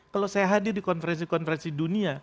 kalau saya hadir di konferensi konferensi dunia